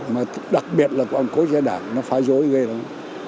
mà đặc biệt là của ông quốc gia đảng nó phá dối ghê lắm